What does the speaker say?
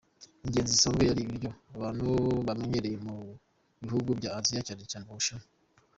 inyenzi zisanzwe ari ibiryo abantu bamenyereye mu bihugu bya Aziya cyane cyane mu Bushinwa.